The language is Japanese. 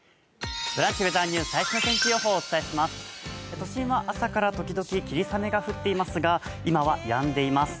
都心は朝から時々小雨が降っていますが今はやんでいます。